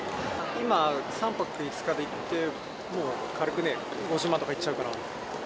今、３泊５日で行って、もう軽くね、５０万とかいっちゃうから。